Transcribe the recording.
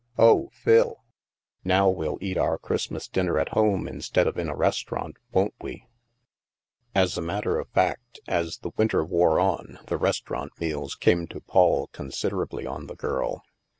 Oh, Phil, now we'll eat our Christmas dinner at home instead of in a restaurant, won't we ?" As a matter of fact, as the winter wore on, the restaurant meals came to pall considerably on the girl.